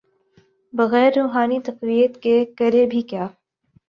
بغیر روحانی تقویت کے، کرے بھی کیا۔